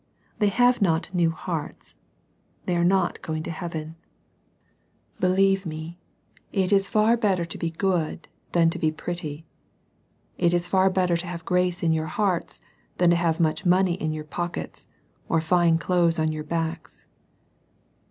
They have not new hearts, — they are not going to heaven. Believe me, it \^ iax \i^\Xet x^ \sfc 40 SERMONS FOR CHILDREN. good than to be pretty. It is far better to have grace in your hearts, than to have much money in your pockets, or fine clothes on your backs.